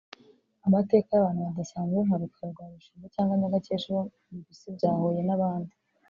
amateka y’abantu badasanzwe nka Rukara rwa Bishingwe cyangwa Nyagakecuru wo mu Bisi bya Huye n’abandi